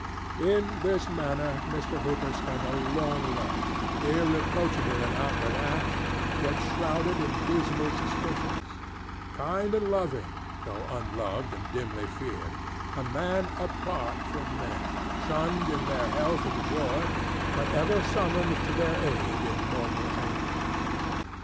In this manner Mr. Hooper spent a long life, irreproachable in outward act, yet shrouded in dismal suspicions; kind and loving, though unloved and dimly feared; a man apart from men, shunned in their health and joy, but ever summoned to their aid in mortal anguish.